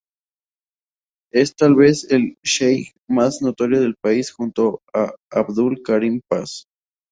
Es tal vez el sheij más notorio del país junto a Abdul Karim Paz.